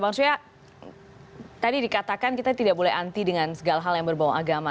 bang surya tadi dikatakan kita tidak boleh anti dengan segala hal yang berbau agama